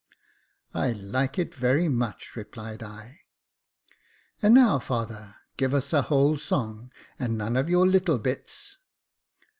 " I hke it very much," replied I. And now, father, give us a whole song, and none of your little bits."